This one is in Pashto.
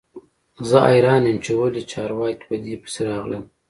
زه حیران یم چې ولې چارواکي په دې پسې راغلل